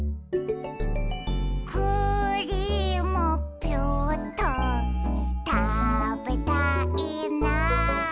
「クリームピューっとたべたいな」